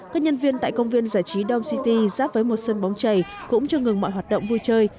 các nhân viên tại công viên giải trí dom city giáp với một sân bóng trày cũng cho ngừng mọi hoạt động vui chơi